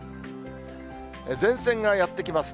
前線がやって来ます。